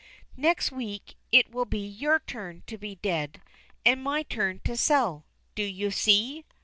Next week it will be your turn to be dead, and my turn to sell—do you see?"